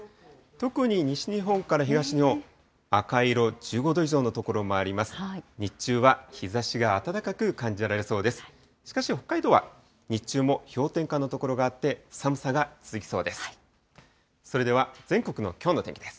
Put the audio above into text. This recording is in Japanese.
特に西日本から東日本、赤い色、１５度以上の所もあります。